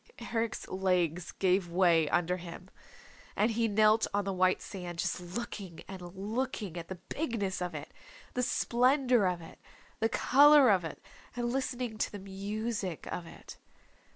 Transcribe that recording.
Eric's legs gave way under him, and he knelt on the white sand, just looking and looking at the bigness of it, the splendor of it, the color of it, and listening to the music of it.